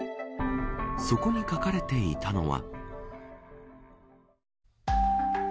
そこに書かれていたのは。